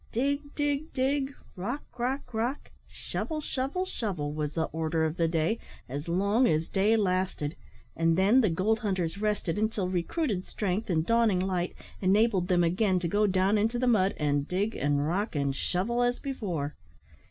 Dig, dig, dig; rock, rock, rock; shovel, shovel, shovel, was the order of the day, as long as day lasted; and then the gold hunters rested until recruited strength and dawning light enabled them again to go down into the mud and dig, and rock, and shovel as before.